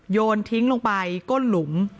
โยนทิ้งลงไปก้นหลุม